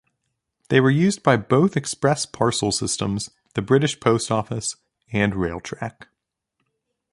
They were used by both Express Parcels Systems, the British Post Office and Railtrack.